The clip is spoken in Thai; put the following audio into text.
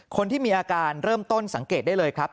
คนที่มีอาการเริ่มต้นสังเกตได้เลยครับ